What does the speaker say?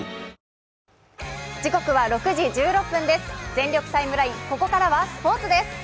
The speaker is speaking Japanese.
「全力タイムライン」、ここからはスポーツです。